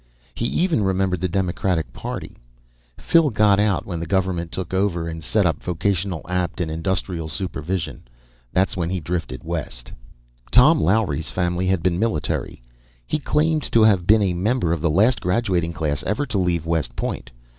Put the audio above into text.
He even remembered the Democratic Party. Phil got out when the government took over and set up Vocational Apt and Industrial Supervision; that's when he drifted west. Tom Lowery's family had been military; he claimed to have been a member of the last graduating class ever to leave West Point.